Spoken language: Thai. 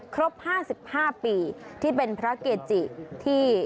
ครบ๕๕ปีที่เป็นพระเกจิที่